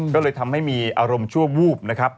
ก็เลยทำให้มีอารมณ์ชั่ววูบ